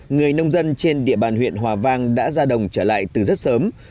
người nông dân trên địa bàn huyện hòa vang đã ra đồng trở lại từ rất sớm